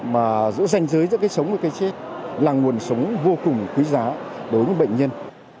mà giữa danh giới giữa cái sống với cái chết là nguồn sống vô cùng quý giá đối với bệnh nhân